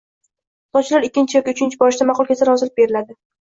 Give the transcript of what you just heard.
Sovchilar ikkirichi yoki uchinchi borishida ma’qul kelsa, rozilik beriladi